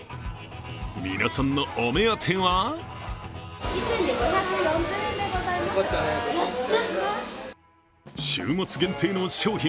皆さんのお目当ては週末限定の商品